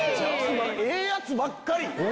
ええやつばっかり。